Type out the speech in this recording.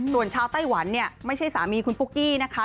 ส่วนชาวไต้หวันเนี่ยไม่ใช่สามีคุณปุ๊กกี้นะคะ